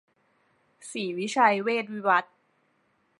ศรีวิชัยเวชวิวัฒน์